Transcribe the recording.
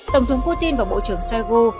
tổng thống putin và bộ trưởng shoigu